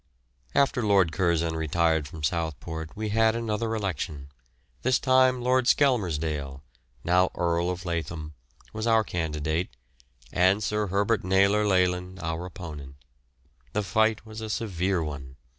After Lord Curzon retired from Southport we had another election; this time Lord Skelmersdale, now the Earl of Lathom, was our candidate, and Sir Herbert Naylor Leyland our opponent. The fight was a severe one.